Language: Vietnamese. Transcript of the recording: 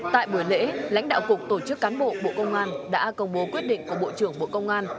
tại buổi lễ lãnh đạo cục tổ chức cán bộ bộ công an đã công bố quyết định của bộ trưởng bộ công an